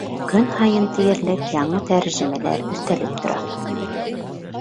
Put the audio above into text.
Көн һайын тиерлек яңы тәржемәләр өҫтәлеп тора.